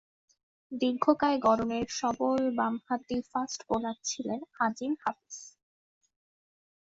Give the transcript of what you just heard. দীর্ঘকায় গড়নের সবল বামহাতি fast bowler ছিলেন আজিম হাফিজ।